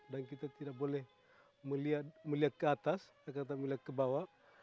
dan kita tidak boleh melihat ke atas kita tidak boleh melihat ke bawah